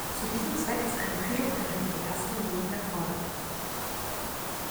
Zu diesem Zweck ist eine Kühlung innerhalb der ersten Minuten erforderlich.